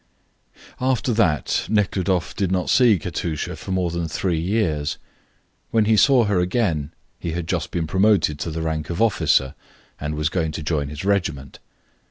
After that Nekhludoff did not see Katusha for more than three years. When he saw her again he had just been promoted to the rank of officer and was going to join his regiment.